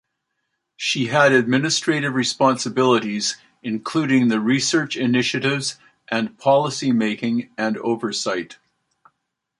She had administrative responsibilities including the research initiatives and policy making and oversight.